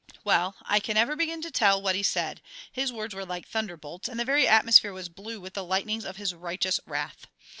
Well, I can never begin to tell what he said; his words were like thunderbolts, and the very atmosphere was blue with the lightnings of his righteous wrath.